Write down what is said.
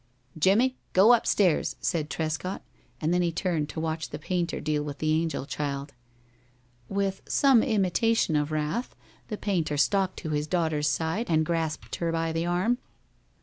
"Jimmie, go up stairs!" said Trescott, and then he turned to watch the painter deal with the angel child. With some imitation of wrath, the painter stalked to his daughter's side and grasped her by the arm.